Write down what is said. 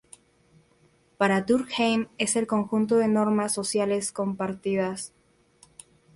Para Durkheim es el conjunto de normas sociales compartidas.